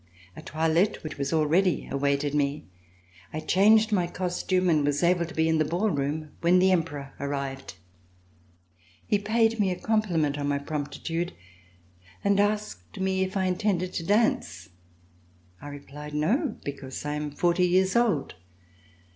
A toilette which was all ready, awaited me. I changed my costume and was able to be in the ball room when the Emperor arrived. He paid me a compliment on my promptitude and asked me if I intended to dance. I replied: *'No, because I am forty years old."